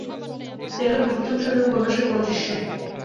যেন বিভূতিভূষণের উপন্যাসের কোনো দৃশ্য।